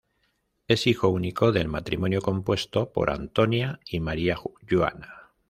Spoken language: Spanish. Es hijo único del matrimonio compuesto por Antonio y María Joana.